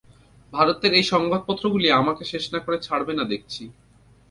ভারতের এই সংবাদপত্রগুলি আমাকে শেষ না করে ছাড়বে না দেখছি।